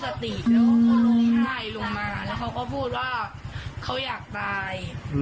สติแล้วร้องไห้ลงมาแล้วเขาก็พูดว่าเขาอยากตาย